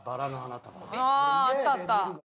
あああったあった。